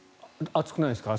暑くないですか？